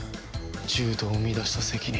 獣人を生み出した責任